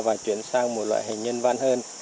và chuyển sang một loại hình nhân văn hơn